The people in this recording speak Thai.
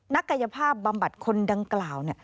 กายภาพบำบัดคนดังกล่าว